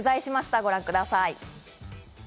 ご覧ください。